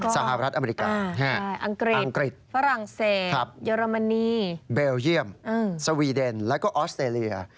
สหรัฐอเมริกาอังกฤษอังกฤษฝรั่งเศสเยอรมนีเบลเยี่ยมสวีเดนแล้วก็ออสเตรเลีย